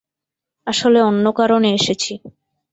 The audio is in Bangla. আসলে অন্য কারণে এসেছি।